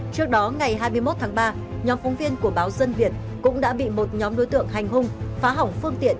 trước đó ngày hai mươi một tháng ba nhóm phóng viên của báo dân việt cũng đã bị một nhóm đối tượng hành hung phá hỏng phương tiện